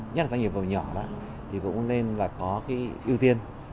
nhất là doanh nghiệp vừa nhỏ thì cũng nên là có cái ưu tiên